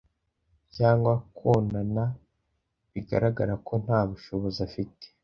cyangwa konona bigaragara ko nta bushobozi afite